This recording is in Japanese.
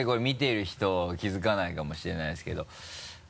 見てる人気づかないかもしれないですけど。